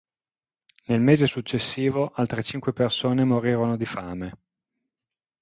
Nel mese successivo altre cinque persone morirono di fame.